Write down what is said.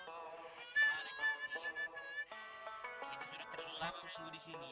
orang itu sudah terlambat disini